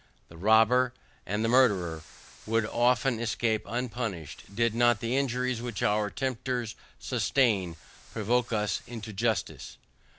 The robber, and the murderer, would often escape unpunished, did not the injuries which our tempers sustain, provoke us into justice.